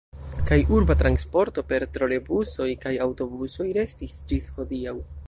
Kaj urba transporto per trolebusoj kaj aŭtobusoj restis ĝis hodiaŭ.